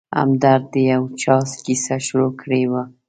همدرد د یو چا کیسه شروع کړې وه.